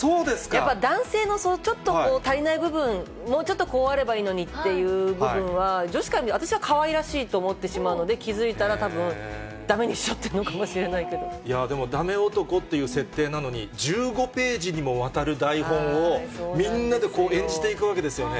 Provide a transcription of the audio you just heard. やっぱ男性のちょっと足りない部分、もうちょっとこうあればいいのにっていう部分は女子から見ると、私はかわいらしいと思ってしまうので、気付いたらたぶんだめにしいやぁ、でもダメ男っていう設定なのに、１５ページにもわたる台本をみんなで演じていくわけですよね。